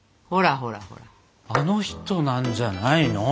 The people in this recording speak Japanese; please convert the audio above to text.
あの人なんじゃないの？